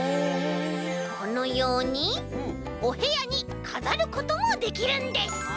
このようにおへやにかざることもできるんです！